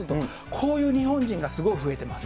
こういう日本人がすごい増えています。